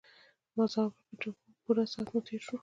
ما ځواب ورکړ چې هو ښه پوره ساعت مو تېر شو.